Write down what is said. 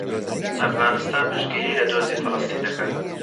ئەفغانستان پشتگیری لە دۆزی فەڵەستین دەکات.